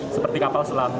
seperti kapal selam